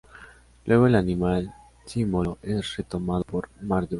Luego el animal símbolo es retomado por Marduk.